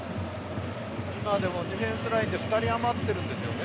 ディフェンスライン２人余っているんですよね。